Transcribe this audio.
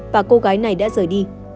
và cô gái này đã rời đi